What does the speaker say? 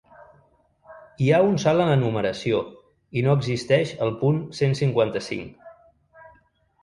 Hi ha un salt en la numeració i no existeix el punt cent cinquanta-cinc.